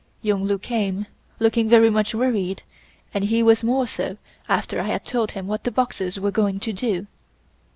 Yung Lu came, looking very much worried, and he was more so after I had told him what the Boxers were going to do.